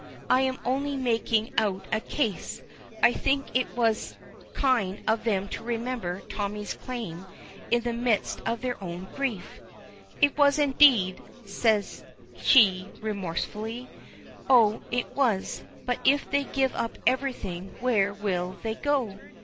I am only making out a case. I think it was kind of them to remember Tommy's claim in the midst of their own grief." "It was, indeed," says she remorsefully. "Oh, it was. But if they give up everything where will they go?"